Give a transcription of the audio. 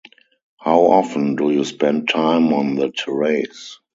How often do you spend time on the terrace?